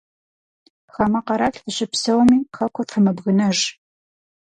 Хамэ къэрал фыщыпсэуми, хэкур фымыбгынэж.